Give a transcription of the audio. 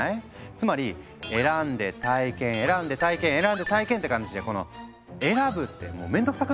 つまり「選んで体験」「選んで体験」「選んで体験」って感じでこの選ぶって面倒くさくない？